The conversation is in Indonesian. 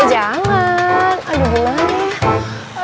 eh jangan aduh gimana